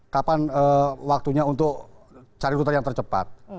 kapan waktunya untuk cari rute yang tercepat